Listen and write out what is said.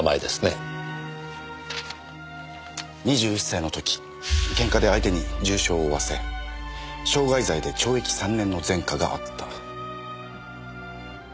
２１歳の時ケンカで相手に重傷を負わせ傷害罪で懲役３年の前科があった。